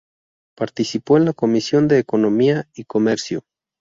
Participó en la Comisión de Economía y Comercio.